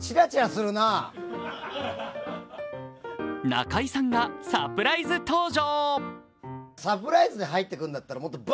中居さんがサプライズ登場。